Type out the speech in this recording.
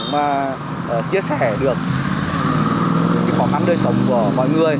mà chia sẻ được cái khó khăn đời sống của mọi người